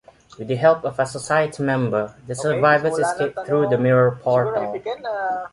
With the help of a Society member, the survivors escape through the mirror portal.